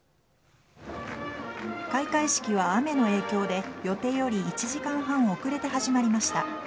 開会式は雨の影響で予定より１時間半遅れて始まりました。